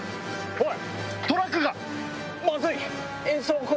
おい！